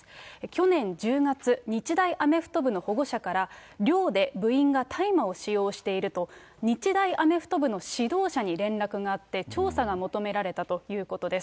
去年１０月、日大アメフト部の保護者から寮で部員が大麻を使用していると、日大アメフト部の指導者に連絡があって、調査が求められたということです。